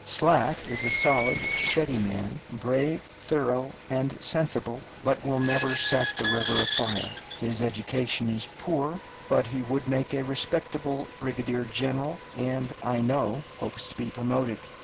Slack is a solid, steady man, brave, thorough, and sensible, but will never set the river afire. His education is poor, but he would make a respectable brigadier general, and, I know, hopes to be promoted.